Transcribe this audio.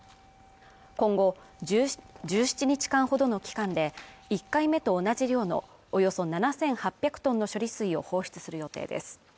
今後１７日間ほどの期間で１回目と同じ量のおよそ７８００トンの処理水を放出する予定です